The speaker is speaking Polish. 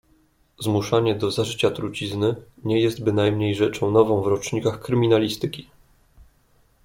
"Zmuszanie do zażycia trucizny, nie jest bynajmniej rzeczą nową w rocznikach kryminalistyki."